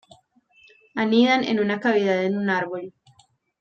Anidan en una cavidad en un árbol.